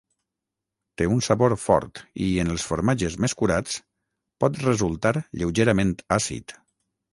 Té un sabor fort i, en els formatges més curats, pot resultar lleugerament àcid.